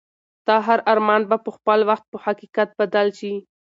ستا هر ارمان به په خپل وخت په حقیقت بدل شي.